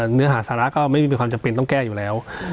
เนื้อหาสาระก็ไม่มีความจำเป็นต้องแก้อยู่แล้ว